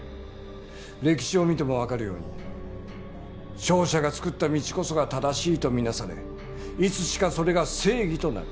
歴史を見てもわかるように勝者が作った道こそが正しいとみなされいつしかそれが正義となる。